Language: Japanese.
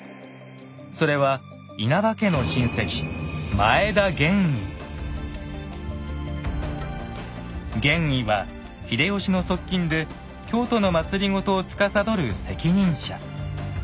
それは稲葉家の親戚玄以は秀吉の側近で京都の政をつかさどる責任者。